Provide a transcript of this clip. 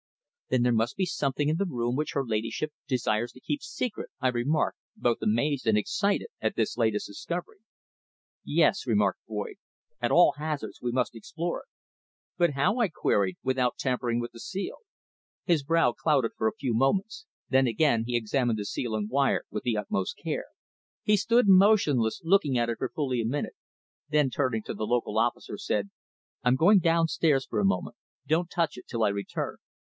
"There must be something in that room which her ladyship desires to keep secret," I remarked, both amazed and excited at this latest discovery. "Yes," remarked Boyd. "At all hazards we must explore it." "But how," I queried, "without tampering with the seal?" His brow clouded for a few moments, then again he examined the seal and wire with the utmost care. He stood motionless, looking at it for fully a minute, then turning to the local officer, said "I'm going downstairs a moment. Don't touch it till I return."